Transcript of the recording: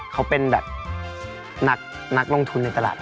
เขาเป็นแบบนักลงทุนในตลาด